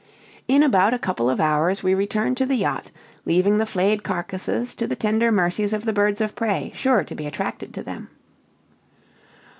In about a couple of hours we returned to the yacht, leaving the flayed carcasses to the tender mercies of the birds of prey sure to be attracted to them.